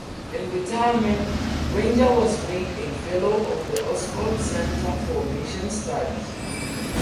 In retirement, Ranger was made a fellow of the Oxford Centre for Mission Studies.